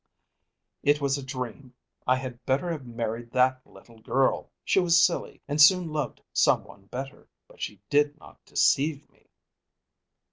"It was a dream. I had better have married that little girl. She was silly, and soon loved some one better. But she did not deceive me."